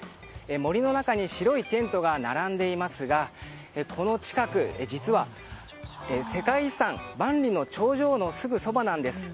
森の中に白いテントが並んでいますがこの近く実は世界遺産、万里の長城のすぐそばなんです。